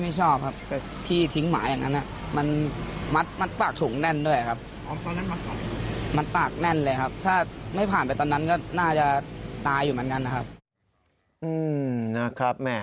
อยากจะบอกอะไรถึงคนทิ้งข้างนั้นเหรอวะ